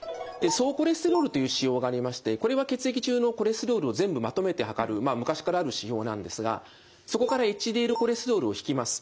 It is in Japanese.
総コレステロールという指標がありましてこれは血液中のコレステロールを全部まとめて測る昔からある指標なんですがそこからＨＤＬコレステロールを引きます。